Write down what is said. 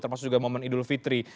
termasuk juga momen idul fitri